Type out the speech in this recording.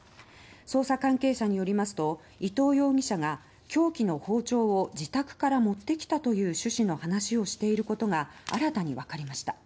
捜査関係者によりますと伊藤容疑者が凶器の包丁を自宅から持ってきたという趣旨の話をしていることが新たにわかりました。